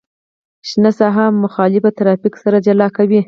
شنه ساحه مخالف ترافیک سره جلا کوي